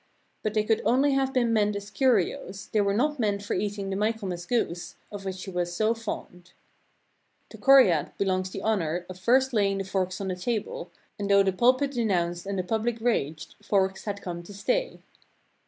But they could only have been meant as curios ; they were not meant for eating the Michaelmas goose, of which she was so fond. To Old French Cold Meat Fork and Tomato Server To Coryat belongs the honor of first laying the forks on the table, and though the pulpit denounced and the public raged, forks had come to stay.